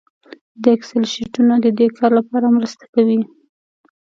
د اکسل شیټونه د دې کار لپاره مرسته کوي